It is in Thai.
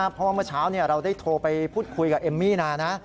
เพราะว่าเมื่อเช้าเราได้โทรไปพูดคุยกับเอมมี่นานะ